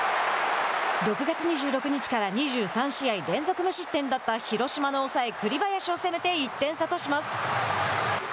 ６月２６日から２３試合連続無失点だった広島の抑え栗林を攻めて１点差とします。